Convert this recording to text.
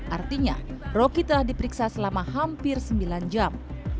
artinya roky telah diperiksa selama hampir sembilan jam